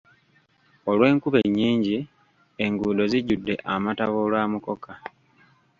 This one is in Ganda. Olw'enkuba ennyingi, enguudo zijjudde amataba olwa mukoka.